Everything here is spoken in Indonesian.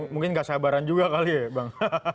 mungkin nggak sabaran juga kali ya bang